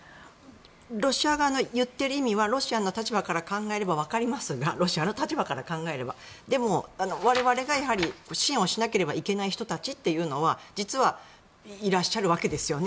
ロシア側の言っている意味はロシアの立場から考えれば分かりますがでも我々が支援をしなければいけない人たちというのはいらっしゃるわけですよね。